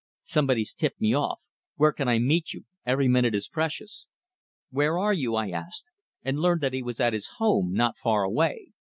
Somebody's tipped me off. Where can I meet you? Every minute is precious." "Where are you?" I asked, and learned that he was at his home, not far away.